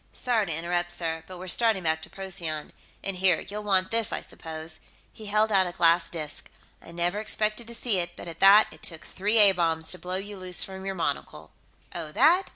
"Sorry to interrupt, sir, but we're starting back to Procyon. And here, you'll want this, I suppose." He held out a glass disc. "I never expected to see it, but at that it took three A bombs to blow you loose from your monocle." "Oh, that?"